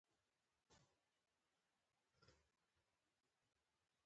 د کندز په امام صاحب کې د تیلو نښې شته.